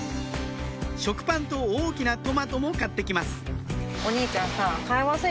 食パンと大きなトマトも買って来ます